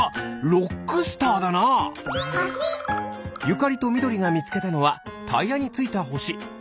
ゆかりとみどりがみつけたのはタイヤについたほし。